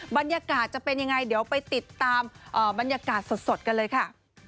บรรยากาศจะเป็นยังไงเดี๋ยวไปติดตามบรรยากาศสดกันเลยค่ะ